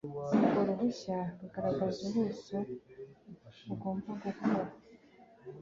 Urwo ruhushya rugaragaza ubuso agomba gukora